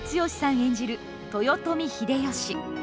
演じる豊臣秀吉。